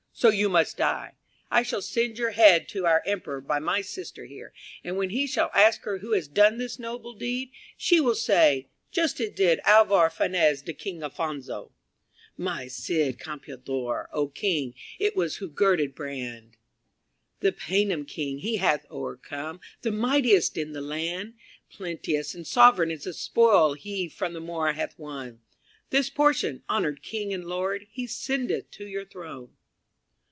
So you must die. I shall send your head to our Emperor by my sister here, and when he shall ask her who has done this noble deed she will say, just as did Alvar Fanez to King Alfonso: 'My Cid Campeador, O king, it was who girded brand: The Paynim king he hath o'ercome, the mightiest in the land Plenteous and sovereign is the spoil he from the Moor hath won; This portion, honored king and lord, he sendeth to your throne.